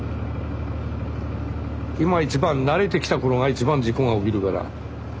今一番慣れてきた頃が一番事故が起きるから。